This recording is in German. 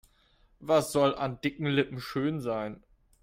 Was soll an dicken Lippen schön sein?